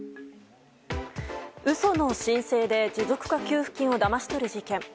嘘の申請で持続化給付金をだまし取る事件。